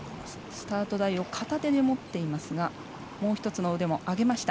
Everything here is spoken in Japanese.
スタート台を片手で持っていますがもう１つの腕も上げました